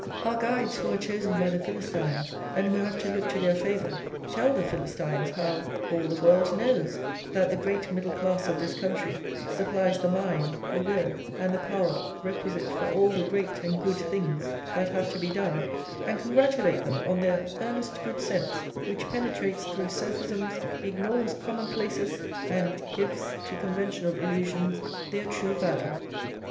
Our guides who are chosen by the Philistines and who have to look to their favour, tell the Philistines how "all the world knows that the great middle class of this country supplies the mind, the will, and the power requisite for all the great and good things that have to be done," and congratulate them on their "earnest good sense, which penetrates through sophisms, ignores commonplaces, and gives to conventional illusions their true value."